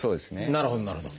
なるほどなるほど。